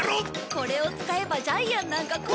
これを使えばジャイアンなんか怖く。